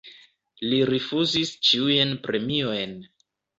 Li rifuzis ĉiujn premiojn.